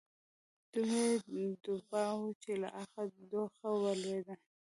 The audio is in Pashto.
دومره يې وډباوه چې له اخه، ټوخه ولوېد